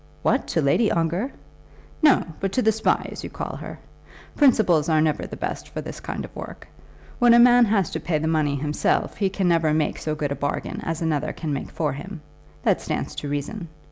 "What; to Lady Ongar?" "No; but to the Spy, as you call her. Principals are never the best for this kind of work. When a man has to pay the money himself he can never make so good a bargain as another can make for him. That stands to reason.